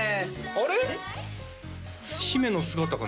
あれ？